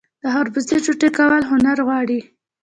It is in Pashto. د خربوزې ټوټې کول هنر غواړي.